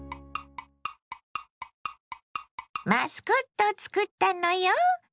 マスコットを作ったのよ。